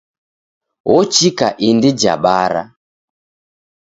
Ochika indi ja bara.